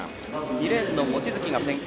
２レーン、望月が先行。